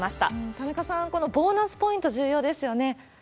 田中さん、このボーナスポイント、重要ですよね。